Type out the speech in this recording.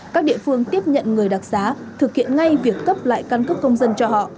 các địa phương tiếp nhận người đặc giá thực hiện ngay việc cấp lại căn cước công dân cho họ